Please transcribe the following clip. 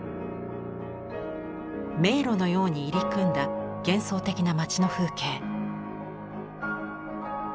迷路のように入り組んだ幻想的な街の風景。